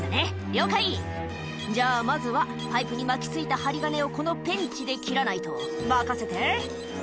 「了解じゃあまずはパイプに巻きついた針金をこのペンチで切らないと任せて」